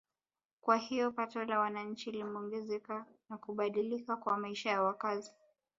Kwa hiyo pato la wananchi limeongezeka na kubadilika kwa maisha ya wakazi